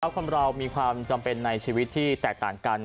คนเรามีความจำเป็นในชีวิตที่แตกต่างกัน